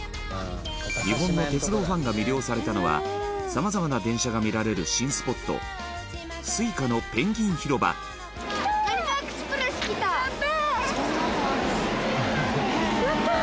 日本の鉄道ファンが魅了されたのはさまざまな電車が見られる新スポットＳｕｉｃａのペンギン広場女性：やったー！